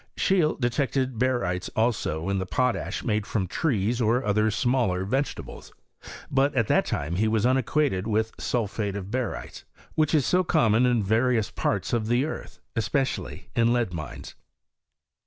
Scheele detected barytes, also, in the potash made from trees or other smaller vegetables; but at that time he was unacquainted with sulphate of haryte^^ which is so common in various parts of the earth, especially in lead mines.